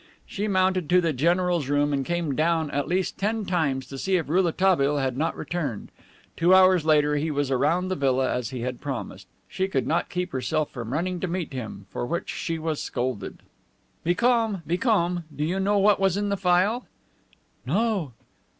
She mounted to the general's room and came down at least ten times to see if Rouletabille had not returned. Two hours later he was around the villa, as he had promised. She could not keep herself from running to meet him, for which she was scolded. "Be calm. Be calm. Do you know what was in the phial?" "No."